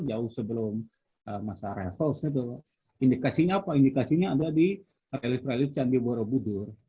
jauh sebelum masalah task indikasinya apalagi kasihnya ada di rilis rilis candi borobudur